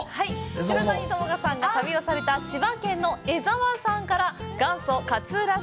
黒谷友香さんが旅をされた千葉県の江ざわさんから元祖勝浦式